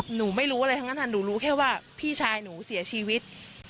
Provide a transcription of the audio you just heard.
หนูไม่รู้อะไรทั้งนั้นหนูรู้แค่ว่าพี่ชายหนูเสียชีวิต